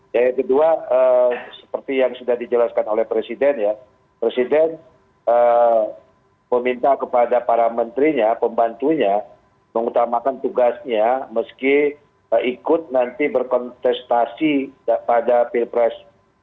ya yang kedua seperti yang sudah dijelaskan oleh presiden ya presiden meminta kepada para menterinya pembantunya mengutamakan tugasnya meski ikut nanti berkontestasi pada pilpres